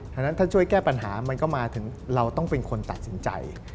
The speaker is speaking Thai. ดังนั้นถ้าช่วยแก้ปัญหามันก็มาถึงเราต้องเป็นคนตัดสินใจ